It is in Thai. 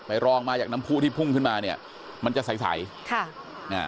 รองมาจากน้ำผู้ที่พุ่งขึ้นมาเนี้ยมันจะใสใสค่ะอ่า